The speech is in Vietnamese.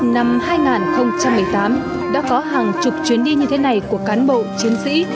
năm hai nghìn một mươi tám đã có hàng chục chuyến đi như thế này của cán bộ chiến sĩ